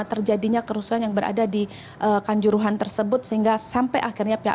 sehingga mudah pernah diterima pribadi estera administered